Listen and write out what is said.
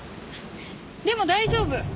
でも大丈夫。